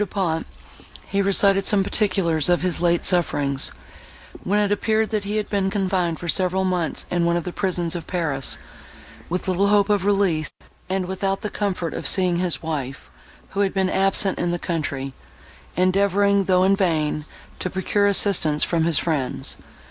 Du Pont he recited some particulars of his late sufferings, when it appeared, that he had been confined for several months in one of the prisons of Paris, with little hope of release, and without the comfort of seeing his wife, who had been absent in the country, endeavouring, though in vain, to procure assistance from his friends.